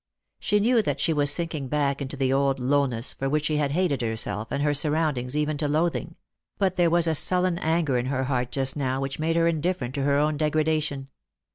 She knew that she was sinking back into the old lowness, for which she had hated herself and her surroundings even to loathing ; but there was a sullen anger in her heart just now which made her indifferent to her own degradation.